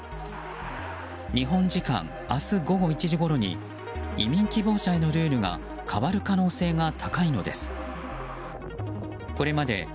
日本時間、明日午後１時ごろに移民希望者へのルールが変わる可能性が高いのです。